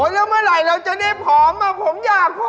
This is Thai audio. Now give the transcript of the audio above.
แล้วเมื่อไหร่เราจะได้ผอมผมอยากผอม